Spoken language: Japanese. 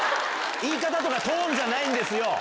言い方とかトーンじゃないんですよ。